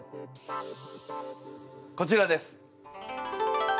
こちらです。